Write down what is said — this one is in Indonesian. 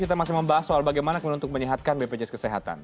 kita masih membahas soal bagaimana kemudian untuk menyehatkan bpjs kesehatan